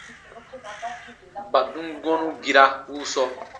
Ba dum gɔ̃nu gira wuu sɔɔ.